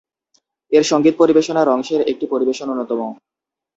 এর সঙ্গীত পরিবেশনার অংশের একটি পরিবেশন অন্যতম।